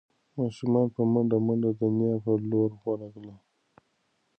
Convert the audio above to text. ماشومان په منډو منډو د نیا په لور ورغلل.